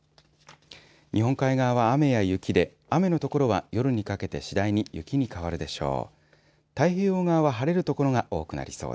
日本海側は雨や雪で雨の所は夜にかけて次第に雪に変わるでしょう。